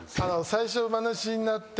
最初馬主になって。